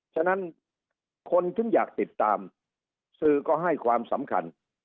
ฉะนั้นคนถึงอยากติดตามสื่อก็ให้ความสำคัญ